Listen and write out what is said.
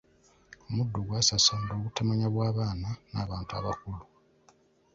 Omuddo gwasaasaana olw'obutamanya bw'abaana n'abantu abakulu.